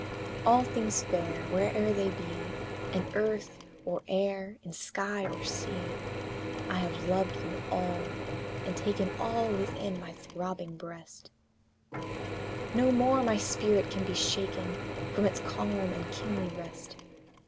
All things fair, where'er they be, In earth or air, in sky or sea, I have loved them all, and taken All within my throbbing breast; No more my spirit can be shaken From its calm and kingly rest!